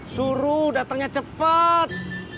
suruh datengnya cepet